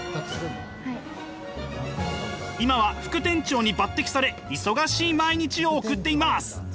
今は副店長に抜てきされ忙しい毎日を送っています。